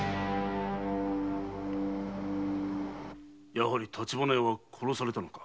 やはり橘屋は殺されたのか。